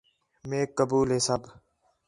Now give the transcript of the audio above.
میک قبول ہے سب